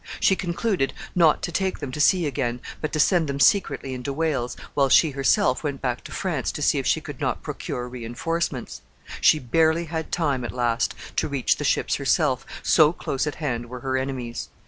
She concluded not to take them to sea again, but to send them secretly into Wales, while she herself went back to France to see if she could not procure re enforcements. She barely had time, at last, to reach the ships herself, so close at hand were her enemies.